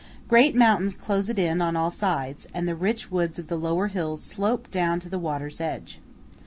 Great mountains close it in on all sides, and the rich woods of the lower hills slope down to the water's edge.